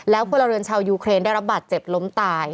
พลเรือนชาวยูเครนได้รับบาดเจ็บล้มตาย